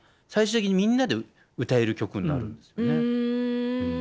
最終的にみんなで歌える曲になるんですよね。